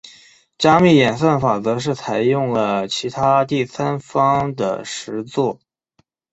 加密演算法则是采用了其他第三方的实作。